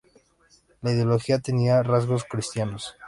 La ideología tenía rasgos cristianos.